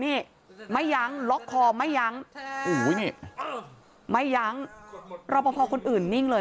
นี้ไม่ย้างล็อกคอไม่ย้างไม่ย้างรอบภพอคลุกอื่นนิ่งเลย